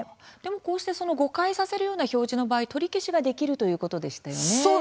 こうして誤解させるような表示の場合、取り消しができるということでしたよね。